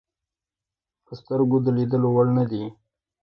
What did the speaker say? په سترګو د لیدلو وړ نه دي.